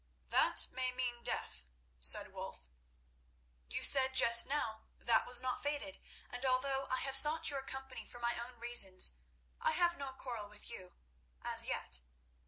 "That may mean death," said Wulf. "You said just now that was not fated, and although I have sought your company for my own reasons, I have no quarrel with you—as yet.